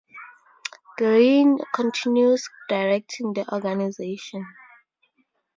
Greene continues directing the organisation.